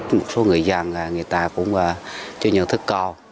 một số người dân người ta cũng chưa nhận thức co